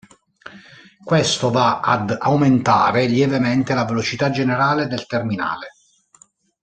Questo va ad aumentare lievemente la velocità generale del terminale.